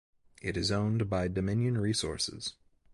It is owned by Dominion Resources.